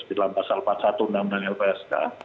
di dalam pasal empat puluh satu undang undang lpsk